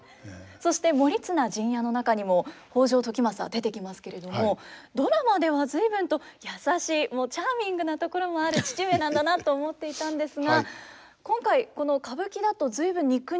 そして「盛綱陣屋」の中にも北条時政出てきますけれどもドラマでは随分と優しいチャーミングなところもある父上なんだなと思っていたんですが今回この歌舞伎だと随分憎々しい感じですね。